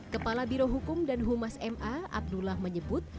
kepala birohukum dan humas ma abdullah menyebut